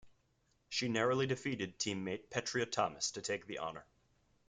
She narrowly defeated teammate Petria Thomas to take the honour.